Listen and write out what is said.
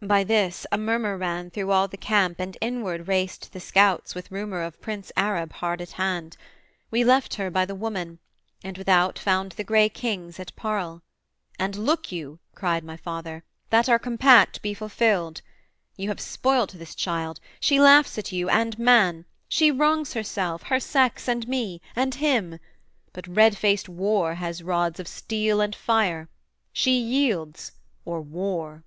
By this a murmur ran Through all the camp and inward raced the scouts With rumour of Prince Arab hard at hand. We left her by the woman, and without Found the gray kings at parle: and 'Look you' cried My father 'that our compact be fulfilled: You have spoilt this child; she laughs at you and man: She wrongs herself, her sex, and me, and him: But red faced war has rods of steel and fire; She yields, or war.'